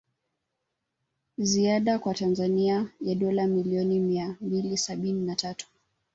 Ziada kwa Tanzania ya dola milioni mia mbili sabini na tatu